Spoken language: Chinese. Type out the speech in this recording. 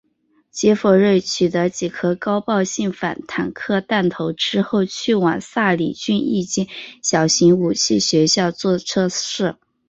杰佛瑞取得几颗高爆性反坦克弹头之后去往萨里郡一间小型武器学校作测试。